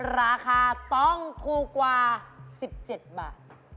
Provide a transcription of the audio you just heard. ราคาต้องถูกกว่า๑๗บาท